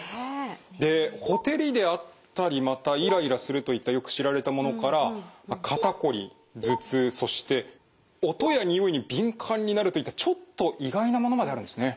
でほてりであったりまたイライラするといったよく知られたものから肩こり頭痛そして音やにおいに敏感になるといったちょっと意外なものまであるんですね。